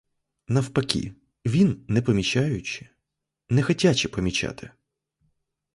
Навпаки, він, не помічаючи — не хотячи помічати!